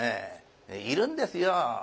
いるんですよ。